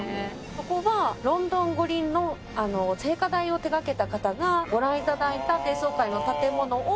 ここはロンドン五輪の聖火台を手掛けた方がご覧頂いた低層階の建物を。